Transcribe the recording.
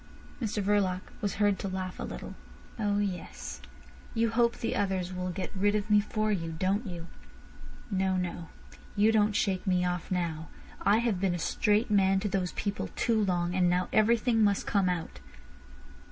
Mr Verloc was heard to laugh a little. "Oh yes; you hope the others will get rid of me for you—don't you? No, no; you don't shake me off now. I have been a straight man to those people too long, and now everything must come out."